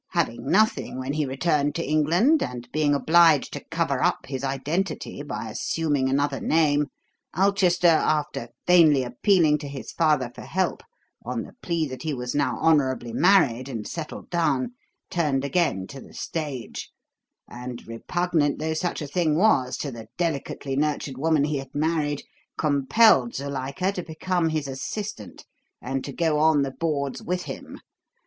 Having nothing when he returned to England, and being obliged to cover up his identity by assuming another name, Ulchester, after vainly appealing to his father for help on the plea that he was now honourably married and settled down, turned again to the stage, and, repugnant though such a thing was to the delicately nurtured woman he had married, compelled Zuilika to become his assistant and to go on the boards with him.